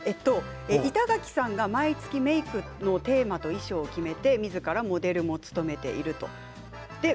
板垣さんが毎月メークのテーマと衣装を決めてみずからモデルも務めているということです。